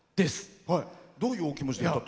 どういうお気持ちで。